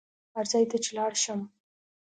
هر ځای ته چې لاړ شم.